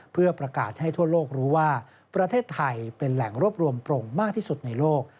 เพื่อประกาศให้ทั่วโลกรู้ว่าประเทศไทยเป็นแหล่งรวบรวมปรงมากที่สุดในโลก